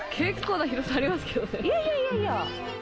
いやいやいやいや。